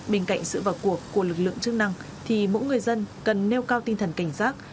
bên cạnh sự vào cuộc của lực lượng chức năng thì mỗi người dân cần nêu cao tinh thần cảnh giác